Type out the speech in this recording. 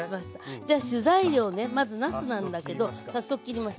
じゃあ主材料ねまずなすなんだけど早速切ります。